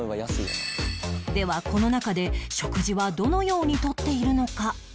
ではこの中で食事はどのように取っているのか？